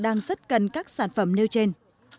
đang rất cần các sản phẩm nêu trên